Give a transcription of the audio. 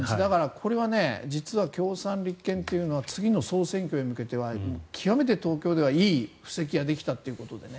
これは実は共産、立憲というのは次の総選挙へ向けては極めて東京では、いい布石ができたということでね。